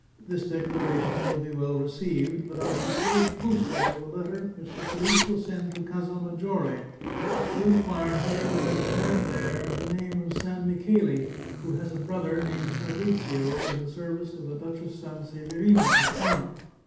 This declaration will be well received, but I shall pay the postage of a letter which the police will send to Casal Maggiore to inquire whether there is a man there of the name of San Micheli, who has a brother named Fabrizio in the service of the Duchess Sanseverina of Parma.